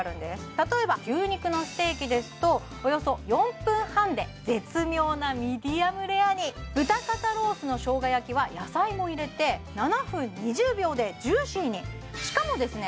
例えば牛肉のステーキですとおよそ４分半で絶妙なミディアムレアに豚肩ロースの生姜焼きは野菜も入れて７分２０秒でジューシーにしかもですね